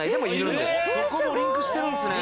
そこもリンクしてるんですね。